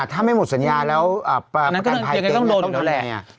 อ่าถ้าไม่หมดสัญญาแล้วอ่านั่นก็ยังไงต้องโดนอยู่แล้วแหละ